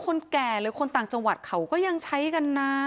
คนแก่หรือคนต่างจังหวัดเขาก็ยังใช้กันนะ